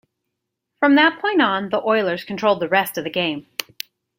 From that point on, the Oilers controlled the rest of the game.